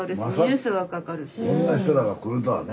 こんな人らが来るとはね。